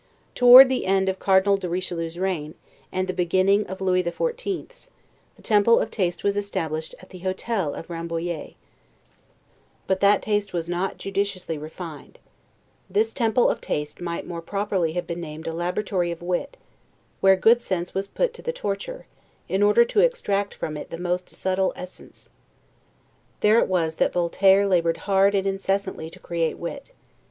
Toward the end of Cardinal de Richelieu's reign, and the beginning of Lewis XIV.'s, the Temple of Taste was established at the Hotel of Rambouillet; but that taste was not judiciously refined this Temple of Taste might more properly have been named a Laboratory of Wit, where good sense was put to the torture, in order to extract from it the most subtile essence. There it was that Voiture labored hard and incessantly to create wit.